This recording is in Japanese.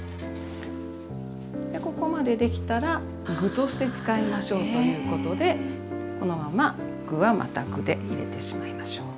でここまでできたら具として使いましょうということでこのまま具はまた具で入れてしまいましょう。